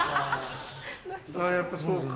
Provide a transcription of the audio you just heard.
やっぱそうか。